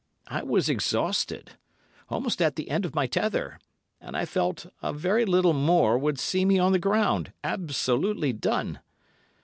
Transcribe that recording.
I was exhausted, almost at the end of my tether, and I felt a very little more would see me on the ground, absolutely done.